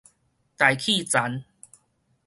大氣層